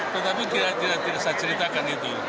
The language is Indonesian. tetapi kira kira saya ceritakan itu